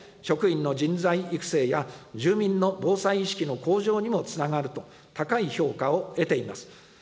職員の人材育成や住民の防災意識の向上にもつながると、高い評価を得ています。